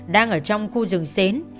đang ở trong khu rừng xến